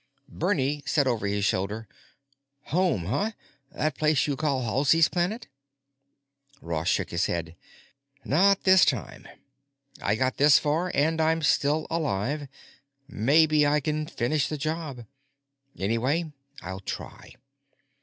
Bernie said over his shoulder, "Home, huh? That place you call Halsey's Planet?" Ross shook his head. "Not this time. I got this far and I'm still alive; maybe I can finish the job. Anyway, I'll try.